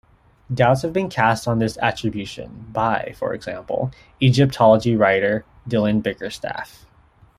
Doubts have been cast on this attribution, by, for example, Egyptology writer Dylan Bickerstaffe.